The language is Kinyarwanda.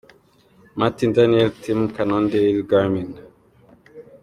Martin Daniel - Team Cannondale – Garmin -.